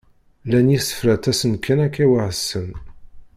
Llan yisefra ttasen-d kan akka weḥd-sen.